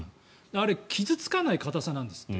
あれ傷付かない硬さなんですって。